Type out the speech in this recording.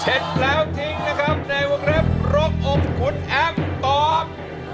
แล้วทิ้งนะครับในวงเล็บรกอบคุณแอมตอบ